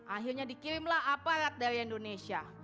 akhirnya dikirimlah aparat dari indonesia